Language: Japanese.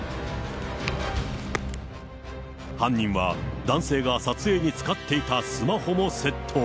犯人は、男性が撮影に使っていたスマホも窃盗。